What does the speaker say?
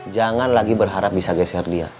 jangan lagi berharap bisa geser dia